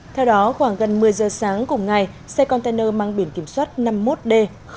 theo đó khoảng gần một mươi giờ sáng cùng ngày xe container mang biển kiểm soát năm mươi một d năm nghìn bốn trăm hai mươi